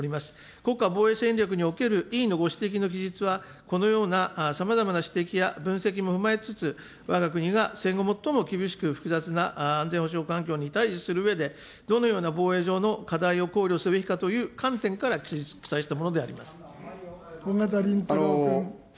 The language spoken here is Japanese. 国家防衛戦略における委員のご指摘の記述は、このようなさまざまな指摘や分析も踏まえつつ、わが国が戦後最も厳しく複雑な安全保障環境に対じするうえで、どのような防衛上の課題を考慮すべきかという観点から記載したも緒方林太郎君。